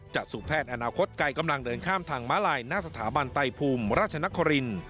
จากสู่แพทย์อนาคตไกลกำลังเดินข้ามทางม้าลายหน้าสถาบันไตภูมิราชนคริน